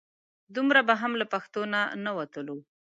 دومره به هم له پښتو نه نه وتلو.